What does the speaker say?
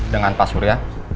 dengan pak surya